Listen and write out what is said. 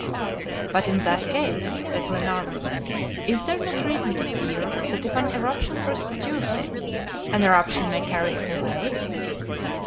"But in that case," said Glenarvan, "is there not reason to fear that if an eruption produced it, an eruption may carry it away?"